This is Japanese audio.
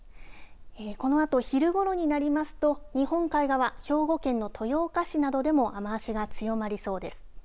このあと昼ごろになりますと日本海側、兵庫県の豊岡市などでも雨足が強まりそうです。